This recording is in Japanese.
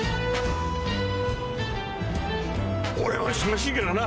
俺は忙しいからな。